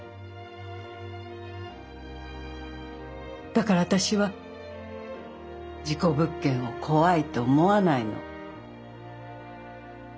だから私は事故物件を怖いと思わないの。